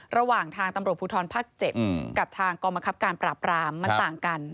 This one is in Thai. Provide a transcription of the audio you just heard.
ระหว่างทางตำรวจภูทรภาค๗กับทางกรมคับการปราบรามมันต่างกัน